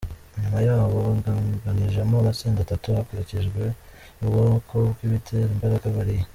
Nyuma yaho, babagabanijemo amatsinda atatu hakurikijwe ubwoko bw’ibitera imbaraga bariye.